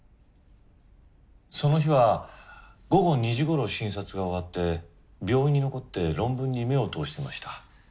その日は午後２時ごろ診察が終わって病院に残って論文に目を通してました。